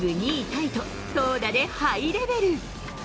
タイと、投打でハイレベル。